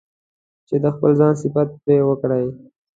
چې د خپل ځان صفت پرې وکړي.